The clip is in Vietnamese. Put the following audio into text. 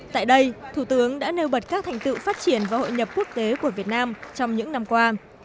tại đây thủ tướng đã nêu bật các thành tựu phát triển và hội nhập quốc tế của việt nam trong những năm qua